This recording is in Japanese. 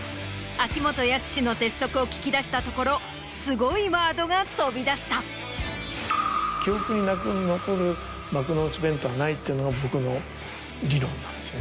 秋元康の鉄則を聞き出したところすごいワードが飛び出した！っていうのが僕の理論なんですよね。